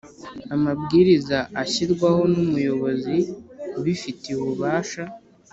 Amabwiriza ashyirwaho n ‘umuyobozi ubifitiye ububasha.